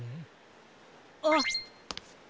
あっ！